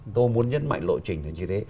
tôi muốn nhấn mạnh lộ trình như thế